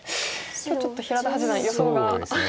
今日ちょっと平田八段予想が。